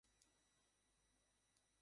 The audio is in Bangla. ওদিকে পশ্চিমদিকের ঘরটা আবার জনশূন্য।